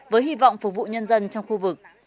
với hy vọng phục vụ nhân dân trong khu vực